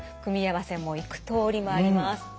組み合わせも幾とおりもあります。